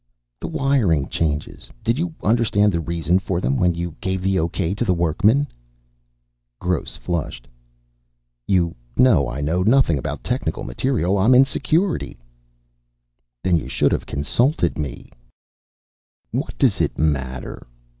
"The wiring changes. Did you understand the reason for them when you gave the okay to the workmen?" Gross flushed. "You know I know nothing about technical material. I'm in Security." "Then you should have consulted me." "What does it matter?"